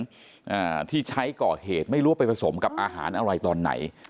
เม็ดสีเหลืองที่ใช้ก่อเหตุไม่รู้ว่าไปผสมกับอาหารอะไรตอนไหน